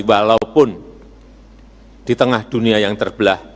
walaupun di tengah dunia yang terbelah